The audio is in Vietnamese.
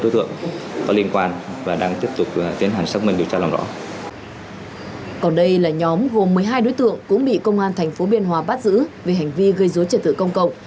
trong quá trình hỗn chiến hai đối tượng cũng bị công an tp biên hòa bắt giữ về hành vi gây dối trẻ tử công cộng